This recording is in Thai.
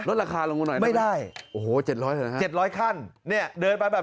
ราคาลงมาหน่อยไม่ได้โอ้โหเจ็ดร้อยเหรอฮะเจ็ดร้อยขั้นเนี่ยเดินไปแบบ